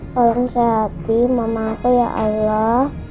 tolong sehati mamaku ya allah